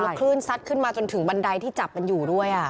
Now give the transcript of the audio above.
คลื่นซัดขึ้นมาจนถึงบันไดที่จับมันอยู่ด้วย